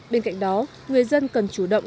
bên cạnh đó người dân cần chủ động